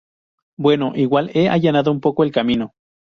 bueno, igual he allanado un poco el camino